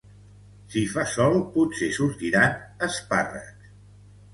Si fa sol, potser sortiran espàrrecs.